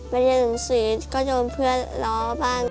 ไปเรียนหนุ่มศรีก็โยนเพื่อนร้องบ้าง